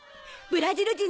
ブラジル人？